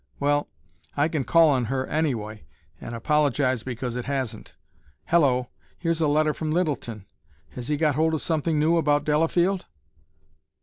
Well, I can call on her, anyway, and apologize because it hasn't. Hello! Here's a letter from Littleton! Has he got hold of something new about Delafield?"